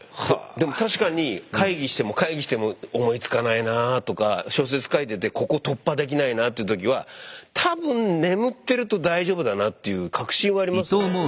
でも確かに会議しても会議しても思いつかないなあとか小説書いててここ突破できないなっていう時は多分眠ってると大丈夫だなっていう確信はありますよね。